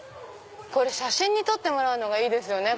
これ写真に撮ってもらうのがいいですよね